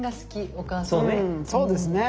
そうですね。